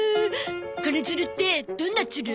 金ヅルってどんなツル？